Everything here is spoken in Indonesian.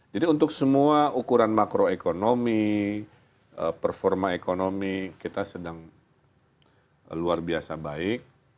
jadi untuk semua ukuran makroekonomi performa ekonomi kita sedang luar biasa baik